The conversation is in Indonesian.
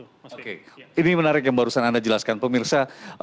oke ini menarik yang barusan anda jelaskan pemirsa